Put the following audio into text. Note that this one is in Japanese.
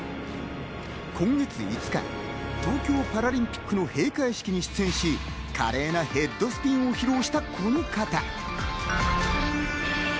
今月５日、東京パラリンピックの閉会式に出演し、華麗なヘッドスピンを披露したこの方。